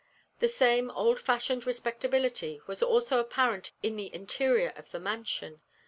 The same old fashioned respectability was also apparent in the interior of the mansion.